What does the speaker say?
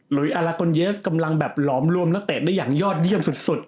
อาลากนเยสกำลังแบบหลอมรวมนักเตะได้อย่างยอดเยี่ยมสุด